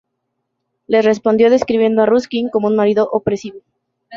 Les respondió describiendo a Ruskin como un marido opresivo.